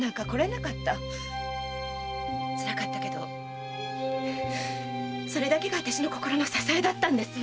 つらかったけどそれだけが私の心の支えだったんですよ！